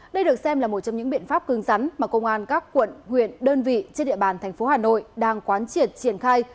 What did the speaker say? đây được xem là một trong những biện pháp cương rắn mà công an các quận huyện đơn vị trên địa bàn tp hà nội đang quán triển triển khai